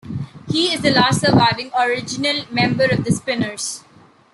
He is the last surviving original member of the Spinners.